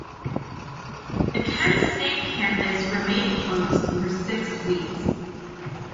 The Kent State campus remained closed for six weeks.